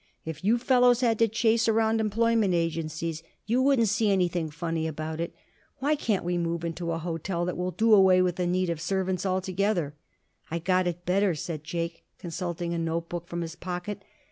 "If you fellows had to chase around employment agencies, you wouldn't see anything funny about it. Why can't we move into a hotel that will do away with the need of servants altogether?" "I got it better," said Jake, consulting a note book from his pocket.